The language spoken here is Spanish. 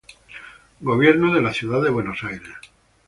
Gobierno de la Ciudad de Buenos Aires.